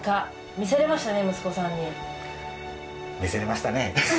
見せれましたね！